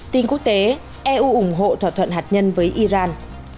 tin quốc tế eu ủng hộ thỏa thuận hạt nhân với iran